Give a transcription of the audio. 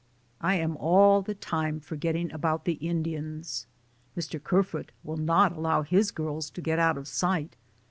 I am all the time forgetting about the Indians. Mr. Kerfoot will not al low his girls to get out of sight.